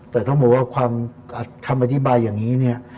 แต่ต้องบอกว่าคำอธิบายอย่างนี้เนี่ย